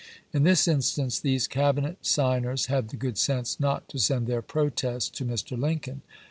In this instance these Cabinet signers had the good sense not to send their protest to Mr. Lincoln.